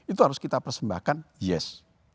itu harus kita persembahkan yes